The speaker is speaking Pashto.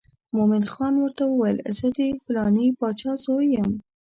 مومن خان ورته وویل زه د پلانې باچا زوی یم.